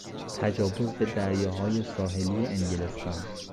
تجاوز به دریاهای ساحلی انگلستان